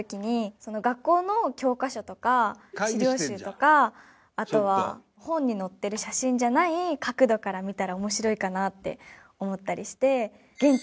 何かあとは本に載ってる写真じゃない角度から見たら面白いかなって思ったりして。